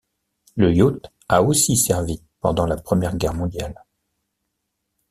Le yacht a aussi servi pendant la Première Guerre mondiale.